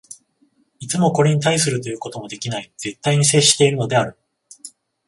いつもこれに対するということもできない絶対に接しているのである。